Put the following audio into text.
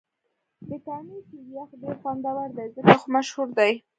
د کامی شیر یخ ډېر خوندور دی ځکه خو مشهور دې.